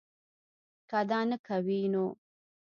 کۀ دا نۀ کوي نو